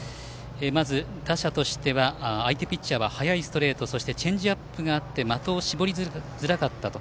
まず打者としては相手ピッチャーは速いストレートとチェンジアップがあり的を絞りづらかったと。